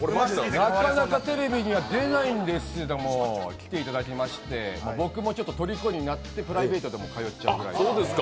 なかなかテレビには出ないんですけれども来ていただきまして僕もちょっととりこになってプライベートでも通っちゃうぐらい。